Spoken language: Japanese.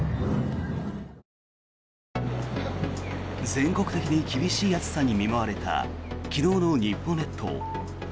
全国的に厳しい暑さに見舞われた昨日の日本列島。